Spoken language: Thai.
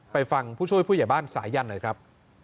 ฟังผู้ช่วยผู้ใหญ่บ้านสายันหน่อยครับ